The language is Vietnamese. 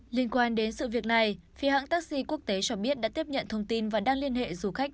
liên quan đến sự việc này phía hãng taxi quốc tế cho biết đã tiếp nhận thông tin và đang liên hệ du khách